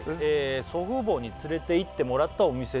「祖父母に連れて行ってもらったお店で」